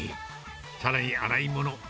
さらに洗い物。